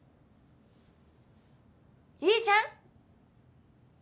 いいじゃん。